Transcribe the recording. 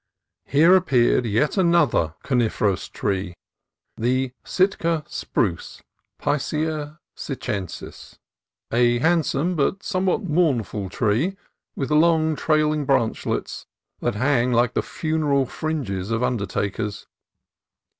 Here appeared yet another 294 CALIFORNIA COAST TRAILS coniferous tree, the Sitka spruce (Picea sitchensis), a handsome but somewhat mournful tree with long trailing branchlets that hang like the funeral fringes of undertakers.